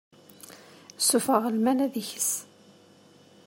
Sufɣeɣ lmal ad yeks.